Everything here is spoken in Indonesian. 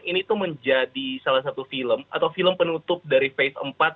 ini menjadi salah satu film atau film penutup dari fase keempat